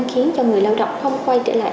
khiến cho người lao động không quay trở lại